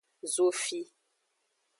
Zofi.